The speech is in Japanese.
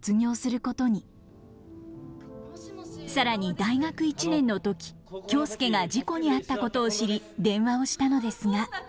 更に大学１年の時京介が事故に遭ったことを知り電話をしたのですが。